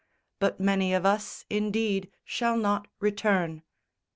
But many of us indeed shall not return."